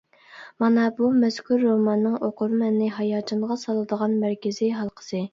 مانا بۇ مەزكۇر روماننىڭ ئوقۇرمەننى ھاياجانغا سالىدىغان مەركىزىي ھالقىسى.